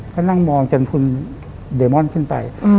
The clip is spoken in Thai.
ก็นั่งมองจนคุณเดมอนขึ้นไป